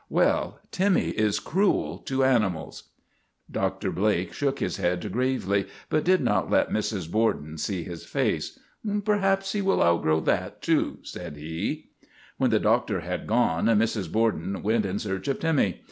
Well, Timmy is cruel to animals." Dr. Blake shook his head gravely, but did not let Mrs. Borden see his face. " Perhaps he will outgrow that, too," said he. When the doctor had gone, Mrs. Borden went in search of Timmy.